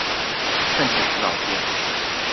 奮起湖老街